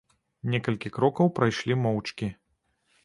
Некалькі крокаў прайшлі моўчкі.